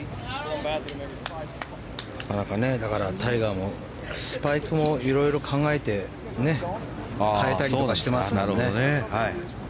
タイガーもスパイクもいろいろ考えて替えたりとかしてますけどね。